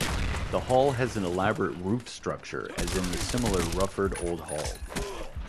The hall has an elaborate roof structure, as in the similar Rufford Old Hall.